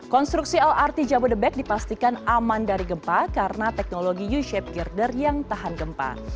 konstruksi lrt jabodebek dipastikan aman dari gempa karena teknologi u shape girder yang tahan gempa